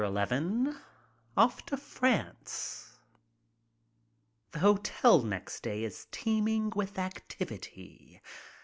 XI \ OFF TO FRANCE THE hotel next day is teeming with activity.